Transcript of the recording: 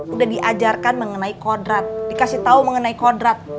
udah diajarkan mengenai kodrat dikasih tahu mengenai kodrat